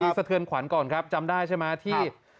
คือสะเทือนขวัญก่อนครับจำได้ใช่ไหมที่